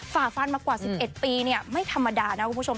ฝ่าฟันมากว่า๑๑ปีไม่ธรรมดานะคุณผู้ชม